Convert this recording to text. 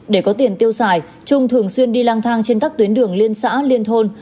để có tiền tiêu xài trung thường xuyên đi lang thang trên các tuyến đường liên xã liên thôn